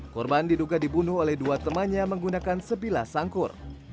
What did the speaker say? korban diduga dibunuh oleh dua temannya menggunakan sebilah sangkur